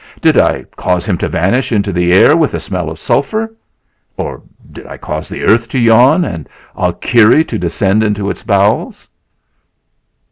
Did I cause him to vanish into the air with a smell of sulphur or did I cause the earth to yawn and Alkire to descend into its bowels?"